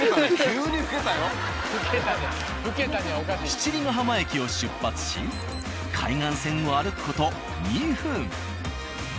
七里ヶ浜駅を出発し海岸線を歩く事２分。